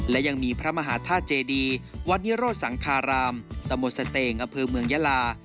และยังมีพระมหาธาตุเจดีวัดนิโรธสังคารามตะมนต์สเตงอำเภอเมืองยาลา